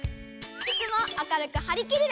いつも明るく「はりきリラ」！